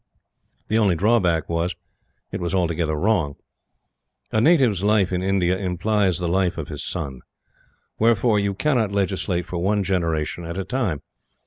The only drawback was that it was altogether wrong. A native's life in India implies the life of his son. Wherefore, you cannot legislate for one generation at a time.